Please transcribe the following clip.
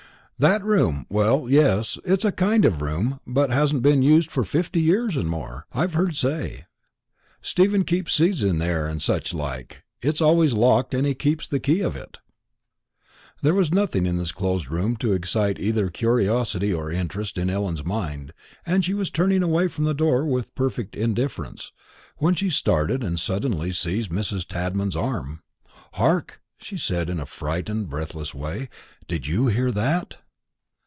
"That room well, yes; it's a kind of a room, but hasn't been used for fifty years and more, I've heard say. Stephen keeps seeds there and such like. It's always locked, and he keeps the key of it." There was nothing in this closed room to excite either curiosity or interest in Ellen's mind, and she was turning away from the door with perfect indifference, when she started and suddenly seized Mrs. Tadman's arm. "Hark!" she said, in a frightened, breathless way; "did you hear that?"